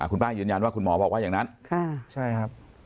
คุณป้ายืนยันว่าคุณหมอบอกว่าอย่างนั้นใช่ครับ